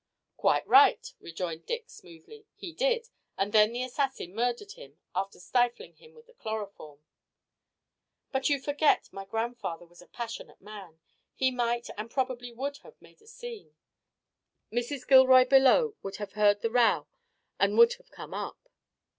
"Quite right," rejoined Dick, smoothly, "he did, and then the assassin murdered him after stifling him with the chloroform." "But you forget my grandfather was a passionate man. He might and probably would have made a scene. Mrs. Gilroy below would have heard the row and would have come up."